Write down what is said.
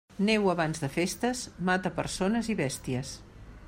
Neu abans de festes mata persones i bèsties.